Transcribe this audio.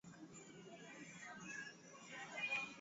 ambao lugha yao imeathirika zaidi na Wakurya kutokana na kupakana nao